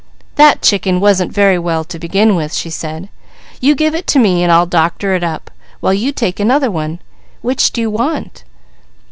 "That chicken wasn't very well to begin with," she said. "'You give it to me, and I'll doctor it up, while you take another one. Which do you want?"